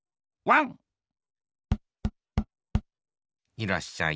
いらっしゃい。